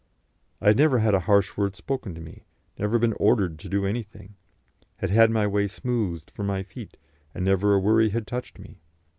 I had never had a harsh word spoken to me, never been ordered to do anything, had had my way smoothed for my feet, and never a worry had touched me.